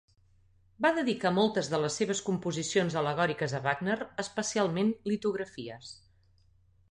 Va dedicar moltes de les seves composicions al·legòriques a Wagner, especialment litografies.